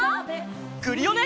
クリオネ！